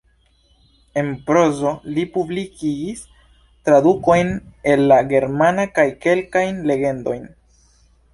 En prozo li publikigis tradukojn el la germana kaj kelkajn legendojn.